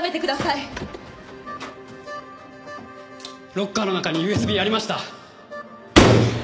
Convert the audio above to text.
ロッカーの中にＵＳＢありました。